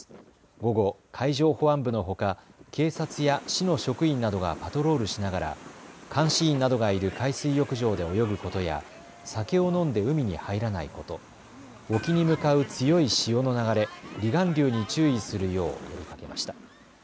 午後、海上保安部のほか警察や市の職員などがパトロールしながら監視員などがいる海水浴場で泳ぐことや酒を飲んで海に入らないこと、沖に向かう強い潮の流れ、離岸流に注意するよう呼びかけました。